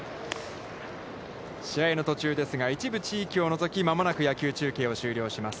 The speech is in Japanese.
試合の途中ですが、一部地域を除き間もなく野球中継を終了します。